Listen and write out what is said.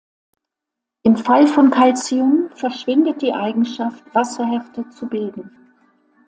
Im Fall von Calcium verschwindet die Eigenschaft, Wasserhärte zu bilden.